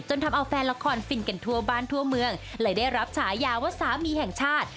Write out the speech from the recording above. ทำเอาแฟนละครฟินกันทั่วบ้านทั่วเมืองเลยได้รับฉายาว่าสามีแห่งชาติ